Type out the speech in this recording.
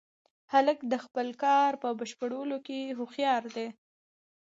هلک د خپل کار په بشپړولو کې هوښیار دی.